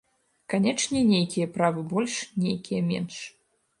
Канечне, нейкія правы больш, нейкія менш.